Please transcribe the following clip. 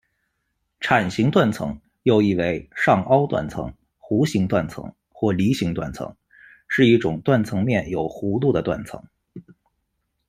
铲形断层，又译为上凹断层、弧形断层或犁形断层，是一种断层面有弧度的断层。